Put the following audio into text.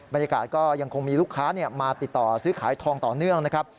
บรรยากาศก็ยังคงมีลูกค้ามาติดต่อซื้อขายทองต่อเนื่องนะครับ